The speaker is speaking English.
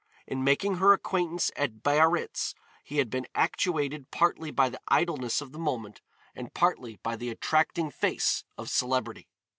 In making her acquaintance at Biarritz he had been actuated partly by the idleness of the moment and partly by the attracting face of celebrity.